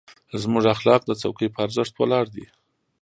زموږ اخلاق د څوکۍ په ارزښت ولاړ دي.